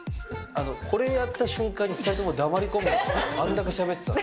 あの、これやった瞬間に、２人とも黙り込むの、あんなにしゃべってたのに。